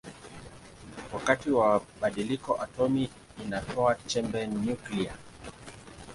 Wakati wa badiliko atomi inatoa chembe nyuklia.